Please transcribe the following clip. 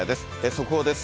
速報です。